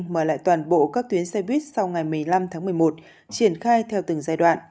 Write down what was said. mở lại toàn bộ các tuyến xe buýt sau ngày một mươi năm tháng một mươi một triển khai theo từng giai đoạn